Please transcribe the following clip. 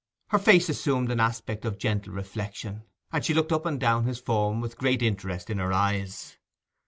Her face assumed an aspect of gentle reflection, and she looked up and down his form with great interest in her eyes.